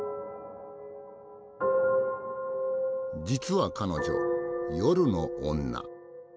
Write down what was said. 実は彼女夜の女。